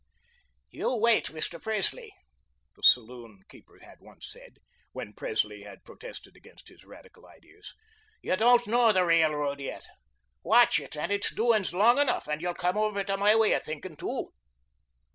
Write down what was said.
"You wait, Mr. Presley," the saloon keeper had once said, when Presley had protested against his radical ideas. "You don't know the Railroad yet. Watch it and its doings long enough, and you'll come over to my way of thinking, too."